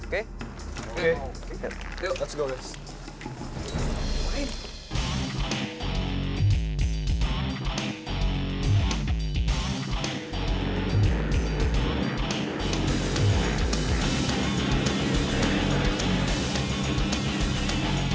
kita jambut sekarang